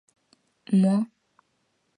Мо-о!